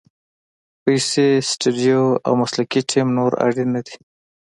پیسې، سټوډیو او مسلکي ټیم نور اړین نه دي.